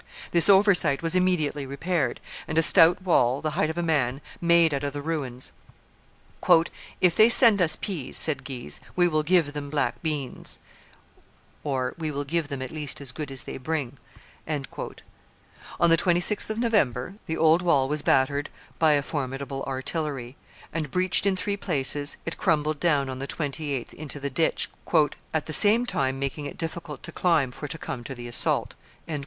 This oversight was immediately repaired, and a stout wall, the height of a man, made out of the ruins. "If they send us peas," said Guise, "we will give them back beans" ("we will give them at least as good as they bring "). On the 26th of November the old wall was battered by a formidable artillery; and, breached in three places, it crumbled down on the 28th into the ditch, "at the same time making it difficult to climb for to come to the assault."